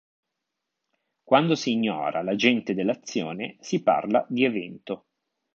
Quando si ignora l'"agente" dell'azione si parla di "evento".